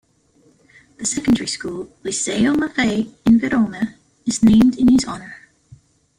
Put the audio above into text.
The secondary school 'Liceo Maffei' in Verona is named in his honour.